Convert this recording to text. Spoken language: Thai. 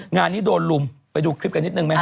งานนี้โดนลุมไปดูคลิปกันนิดนึงไหมฮ